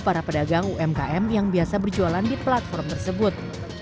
para pedagang umkm yang biasa berjualan di platform tersebut